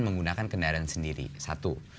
menggunakan kendaraan sendiri satu